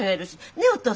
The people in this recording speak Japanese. ねっお父さん。